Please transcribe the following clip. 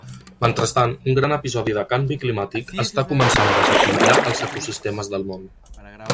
Mentrestant, un gran episodi de canvi climàtic està començant a desequilibrar els ecosistemes del món.